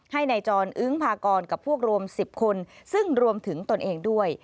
ให้นายจรอึ้งพากรกับพวกรวม๑๐คนซึ่งรวมถึงตนเองด้วย